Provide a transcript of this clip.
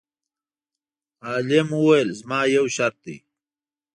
عالم وویل: زما یو شرط دی.